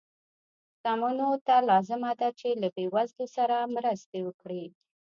شتمنو ته لازمه ده چې له بې وزلو سره مرستې وکړي.